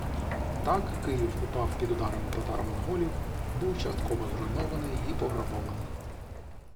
Так, Київ упав під ударами татаро-монголів, був частково зруйнований і пограбований